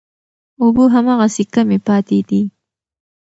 اوبه هماغسې کمې پاتې دي.